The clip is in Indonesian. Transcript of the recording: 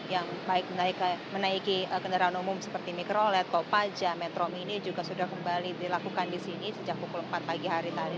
yang baik menaiki kendaraan umum seperti mikrolet kopaja metro mini juga sudah kembali dilakukan di sini sejak pukul empat pagi hari tadi